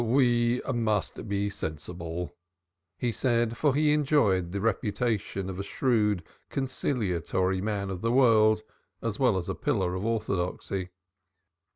"We must be sensible," he said, for he enjoyed the reputation of a shrewd conciliatory man of the world as well as of a pillar of orthodoxy.